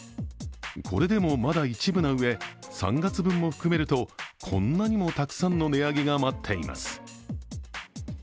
これでもまだ一部なうえ、３月分も含めるとこんなにもたくさんの値上げが待っています。